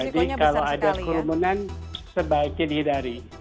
jadi kalau ada kerumunan sebaiknya dihindari